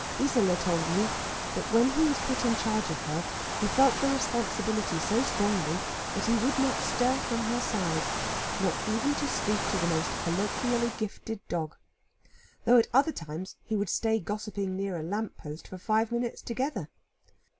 Isola told me that when he was put in charge of her, he felt the responsibility so strongly that he would not stir from her side, not even to speak to the most colloquially gifted dog; though at other times he would stay gossiping near a lamp post for five minutes together.